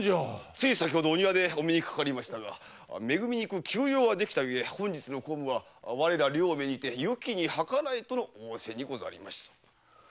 つい先ほどお庭でお目にかかりましたがめ組に行く急用ができたゆえ本日の公務は我ら両名にてよきにはからえとの仰せにございます。